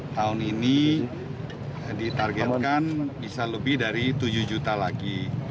tahun ini ditargetkan bisa lebih dari tujuh juta lagi